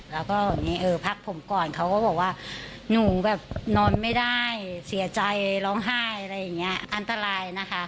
แล้วก็พักผมก่อนเขาก็บอกว่าหนูแบบนอนไม่ได้เสียใจร้องไห้อะไรอย่างนี้อันตรายนะคะ